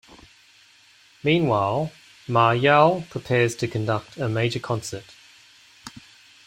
Meanwhile, Ma Yau prepares to conduct a major concert.